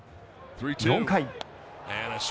４回。